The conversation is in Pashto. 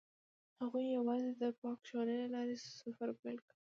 هغوی یوځای د پاک شعله له لارې سفر پیل کړ.